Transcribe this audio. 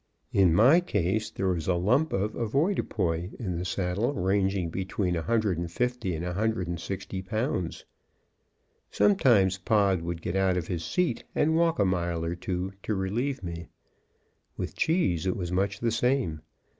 In my case, there was a lump of avoirdupois in the saddle ranging between 150 and 160 pounds. Sometimes Pod would get out of his seat and walk a mile or two, to relieve me. With Cheese it was much the same.